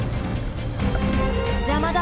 「邪魔だ！